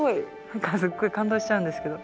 何かすごい感動しちゃうんですけど。